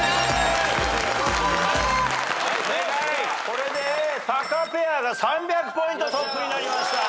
これでタカペアが３００ポイントトップになりました。